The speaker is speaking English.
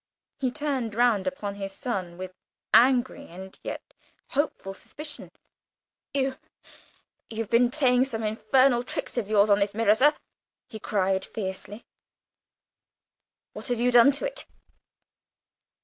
He turned round upon his son with angry and yet hopeful suspicion. "You, you've been playing some of your infernal tricks with this mirror, sir," he cried fiercely. "What have you done to it?"